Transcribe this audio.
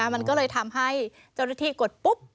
มันก็เลยทำให้เจ้าหน้าที่กดปุ๊บ